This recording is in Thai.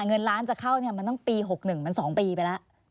เงินล้านจะเข้ามันต้องปี๖๑มัน๒ปีไปแล้ว